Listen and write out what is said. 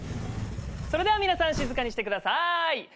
それでは皆さん静かにしてください。